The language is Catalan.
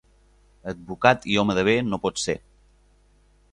Advocat i home de bé no pot ser.